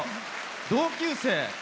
同級生。